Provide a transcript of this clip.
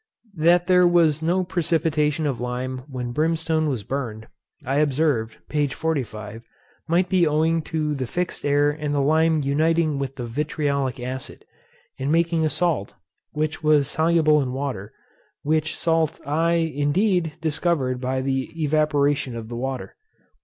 That there was no precipitation of lime when brimstone was burned, I observed, p. 45. might be owing to the fixed air and the lime uniting with the vitriolic acid, and making a salt, which was soluble in water; which salt I, indeed, discovered by the evaporation of the water.